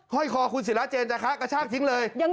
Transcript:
ห้อยคอคุณศิราเจนจาคะกระชากทิ้งเลย